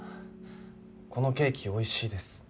このケーキ美味しいです。